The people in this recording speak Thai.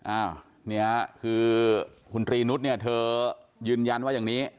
อ้าวนี่คือคุณทรีย์นุษย์เธอยืนยันว่าอย่างนี้